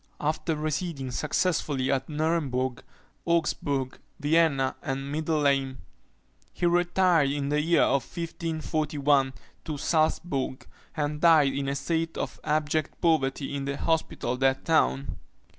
After residing successively at Nuremburg, Augsburg, Vienna, and Mindelheim, he retired in the year 1541 to Saltzbourg, and died in a state of abject poverty in the hospital of that town.